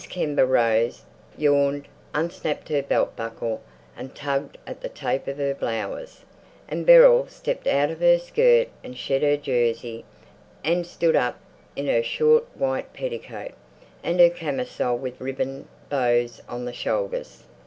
Kember rose, yawned, unsnapped her belt buckle, and tugged at the tape of her blouse. And Beryl stepped out of her skirt and shed her jersey, and stood up in her short white petticoat, and her camisole with ribbon bows on the shoulders.